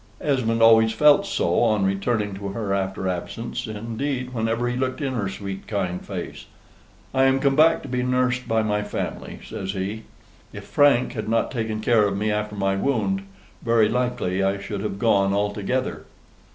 Esmond always felt so on returning to her after absence, indeed whenever he looked in her sweet kind face. "I am come back to be nursed by my family," says he. "If Frank had not taken care of me after my wound, very likely I should have gone altogether."